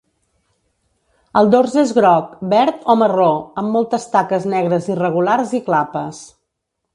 El dors és groc, verd o marró, amb moltes taques negres irregulars i clapes.